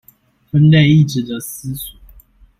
分類亦値得思索